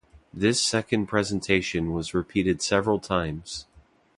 This second presentation was repeated several times.